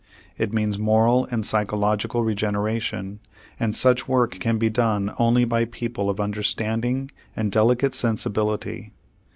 It means moral and psychological regeneration, and such work can be done only by people of understanding and delicate sensibility.